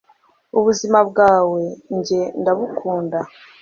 ubuzima bwawe njye ndabukunda